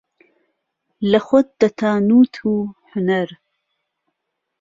له خۆت دهتا نووت و حونەر